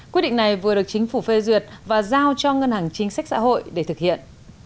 quyết định này vừa được chính phủ phê duyệt và giao cho ngân hàng chính sách xã hội để thực hiện